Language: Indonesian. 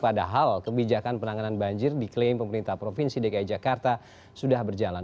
padahal kebijakan penanganan banjir diklaim pemerintah provinsi dki jakarta sudah berjalan